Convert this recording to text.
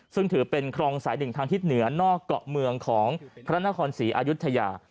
ซึ่งถือเป็นคลองสายหนึ่งทางทิศเหนือนอกเกาะเมืองของพระนครศรีอายุทยา